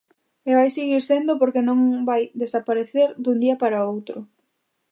E vai seguir sendo porque non vai desaparecer dun día para outro.